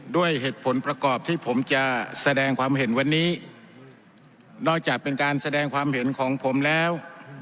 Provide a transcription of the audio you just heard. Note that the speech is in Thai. ด้วยเหตุผลประกอบที่ผมจะแสดงความเห็นวันนี้นอกจากเป็นการแสดงความเห็นของผมแล้ว